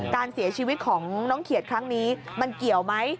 การเสียชีวิตของน้องเขียดครั้งนี้มันเกี่ยวไหม